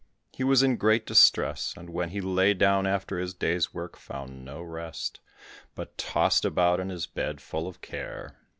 He was in great distress, and when he lay down after his day's work, found no rest, but tossed about in his bed, full of care.